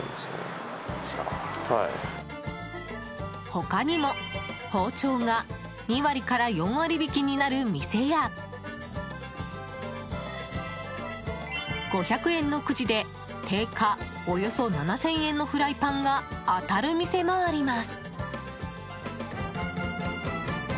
他にも、包丁が２割から４割引きになる店や５００円のくじで定価およそ７０００円のフライパンが当たる店もあります。